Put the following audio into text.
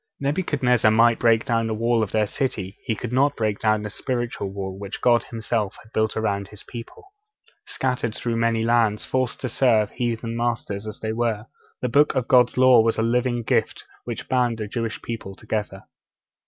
Nebuchadnezzar might break down the wall of their city, he could not break down the spiritual wall which God Himself had built round His people. Scattered through many lands, forced to serve heathen masters as they were, the Book of God's Law was a living gift which bound the Jewish people together.